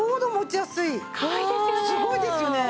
すごいですよね！